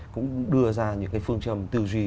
cũng đưa ra những cái phương châm tư duy